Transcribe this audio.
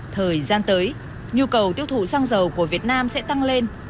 thời gian tới nhu cầu tiêu thụ xăng dầu của việt nam sẽ tăng lên